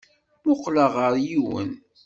Mmuqqleɣ ɣer yiwen.